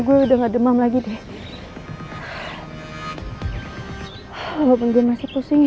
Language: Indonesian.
aku harus cepat cepat ngurus keberangkatannya